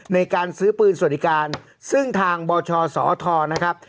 ในการซื้อปืนสวัสดิการซึ่งทางบชสทนะครับ